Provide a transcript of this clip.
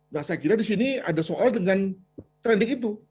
nah saya kira disini ada soal dengan klinik itu